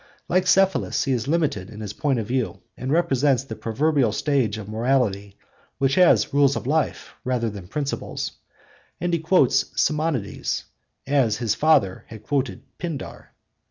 Like Cephalus, he is limited in his point of view, and represents the proverbial stage of morality which has rules of life rather than principles; and he quotes Simonides (cp. Aristoph. Clouds) as his father had quoted Pindar.